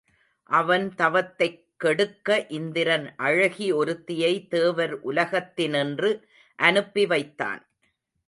அவன் தவத்தைக் கெடுக்க இந்திரன் அழகி ஒருத்தியை தேவர் உலகத்தினின்று அனுப்பி வைத்தான்.